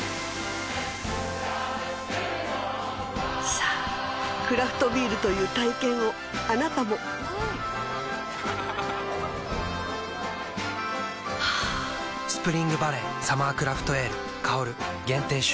さぁクラフトビールという体験をあなたも「スプリングバレーサマークラフトエール香」限定出荷